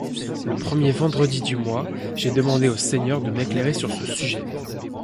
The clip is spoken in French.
Le premier vendredi du mois, j'ai demandé au Seigneur de m'éclairer sur ce sujet.